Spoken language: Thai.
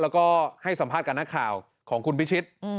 แล้วก็ให้สัมภาษณ์กับนักข่าวของคุณพิชิต